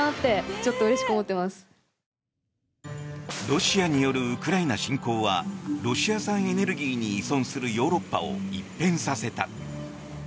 ロシアによるウクライナ侵攻はロシア産エネルギーに依存するヨーロッパを一変させた。